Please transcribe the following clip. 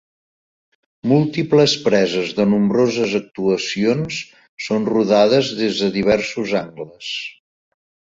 Múltiples preses de nombroses actuacions, són rodades des de diversos angles.